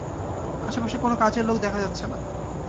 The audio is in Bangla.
আশেপাশে কোনো কাজের লোক দেখা যাচ্ছে না।